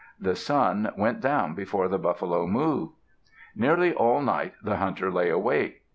The sun went down before the buffalo moved. Nearly all night the hunter lay awake.